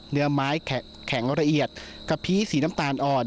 เนื้อไม้แข็งละเอียดกะพีสีน้ำตาลอ่อน